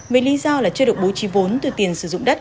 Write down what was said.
với lý do là chưa được bố trí vốn từ tiền sử dụng đất